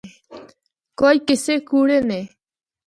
کوئی قصے کوڑے نے۔